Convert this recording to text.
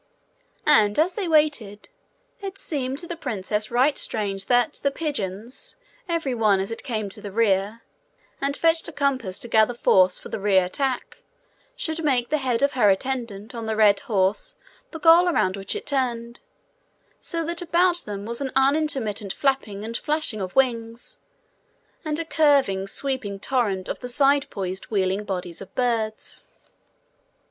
And as they waited, it seemed to the princess right strange that the pigeons, every one as it came to the rear, and fetched a compass to gather force for the reattack, should make the head of her attendant on the red horse the goal around which it turned; so that about them was an unintermittent flapping and flashing of wings, and a curving, sweeping torrent of the side poised wheeling bodies of birds.